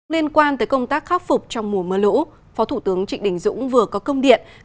liên quan tới công tác khắc phục trong mùa mưa lũ phó thủ tướng trịnh đình dũng vừa có công điện